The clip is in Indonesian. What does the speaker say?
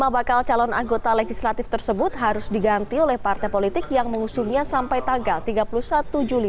lima bakal calon anggota legislatif tersebut harus diganti oleh partai politik yang mengusulnya sampai tanggal tiga puluh satu juli dua ribu delapan belas